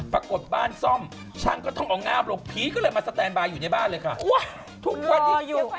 ปรากฏบ้านซ่อมช่างก็ต้องเอางามพีทก็เลยมาสแตนบาร์อยู่ในบ้านเลยค่ะ